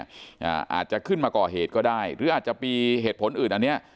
อาจจะขึ้นมาก่อเหตุก็ได้หรืออาจจะมีเหตุผลอื่นอันเนี้ย